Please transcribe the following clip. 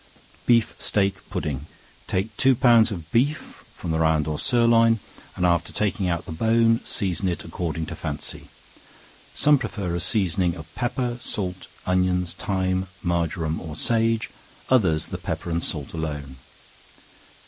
Beef Steak Pudding. Take two pounds of beef from the round or sirloin, and after taking out the bone, season it according to fancy; some prefer a seasoning of pepper, salt, onions, thyme, marjoram or sage; others the pepper and salt alone.